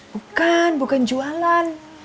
bukan bukan jualan